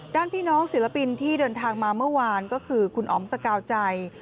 ด้านพี่น้องศิลปินที่เดินทางมาเมื่อวานก็คือคุณอ๋อมสกาวใจ